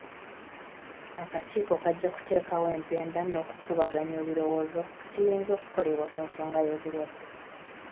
Akakiiko kajja kuteekawo empenda n'okukubaganya ebirowoozo ku kiyinza okukolebwa ku nsonga y'obulwadde.